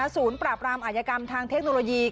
ศูนย์ปราบรามอายกรรมทางเทคโนโลยี